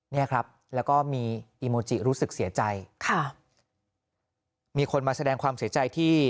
เนี่ยครับแล้วก็มีอีโมจิรู้สึกเสียใจค่ะมีคนมาแสดงความเสียใจที่